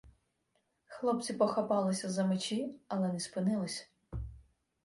Хлопці похапалися за мечі, але не спинились.